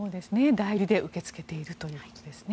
代理で受け付けているということですね。